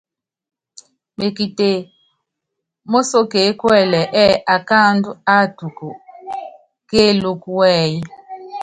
Mekite mósokeé kuɛlɛ ɛ́ɛ́ akáandú áátuku kéelúkú wɛ́yí.